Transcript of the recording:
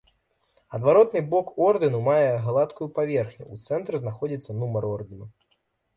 Адваротны бок ордэну мае гладкую паверхню, у цэнтры знаходзіцца нумар ордэну.